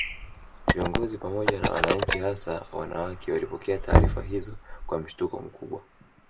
Viongozi pamoja na wananchi hasa wanawake walipokea taarifa hizo kwa mshtuko mkubwa